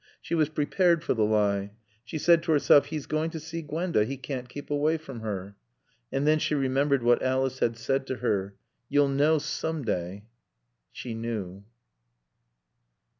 She was prepared for the lie. She said to herself, "He is going to see Gwenda. He can't keep away from her." And then she remembered what Alice had said to her. "You'll know some day." She knew.